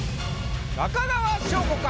中川翔子か？